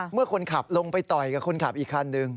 เมื่อคนขับลงไปต่อยกับคนขับอีกคันหนึ่ง